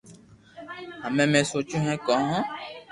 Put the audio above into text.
ھمو ۾ سوچئو ھي ڪي ھون